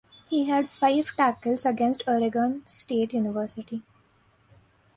He had five tackles against Oregon State University.